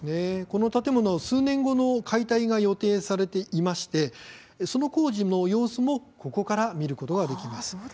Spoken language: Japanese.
この建物、数年後の解体が予定されていましてその工事の様子もここから見ることができます。